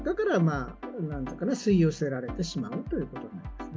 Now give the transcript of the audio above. だから、吸い寄せられてしまうということになりますね。